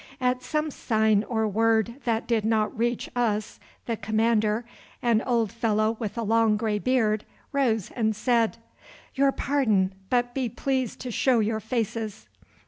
At some sign or word that did not reach us the commander, an old fellow with a long grey beard, rose and said: "Your pardon, but be pleased to show your faces."